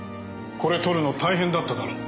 これ撮るの大変だっただろう？